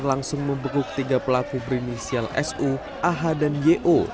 langsung membeku ketiga pelaku berinisial su ah dan yo